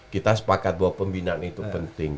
kita sepakat bahwa pembinaan itu penting